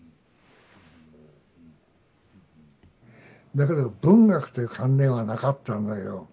だけど文学という観念はなかったのよ。